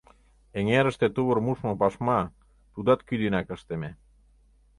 Эҥерыште тувыр мушмо пашма, тудат кӱ денак ыштыме.